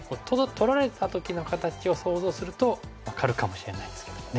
取られた時の形を想像すると分かるかもしれないですけどね。